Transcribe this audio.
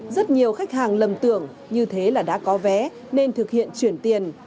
rất nhiều khách hàng lầm tưởng như thế là đã có vé nên thực hiện chuyển tiền